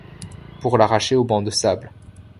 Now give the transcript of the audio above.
pour l’arracher au banc de sable.